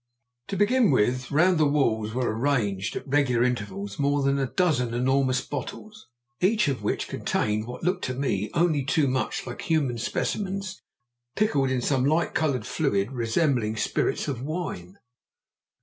To begin with, round the walls were arranged, at regular intervals, more than a dozen enormous bottles, each of which contained what looked, to me, only too much like human specimens pickled in some light coloured fluid resembling spirits of wine.